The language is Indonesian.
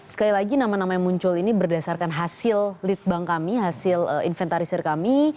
sekali lagi nama nama yang muncul ini berdasarkan hasil lead bank kami hasil inventarisir kami